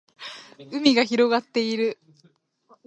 海が広がっている